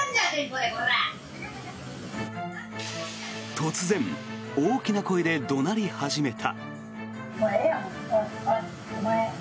突然大きな声で怒鳴り始めた。